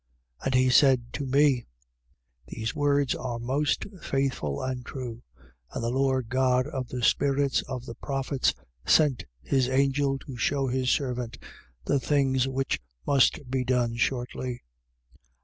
22:6. And he said to me: These words are most faithful and true. And the Lord God of the spirits of the prophets sent his angel to shew his servant the things which must be done shortly.